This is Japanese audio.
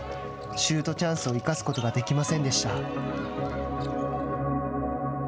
シュートチャンスを生かすことができませんでした。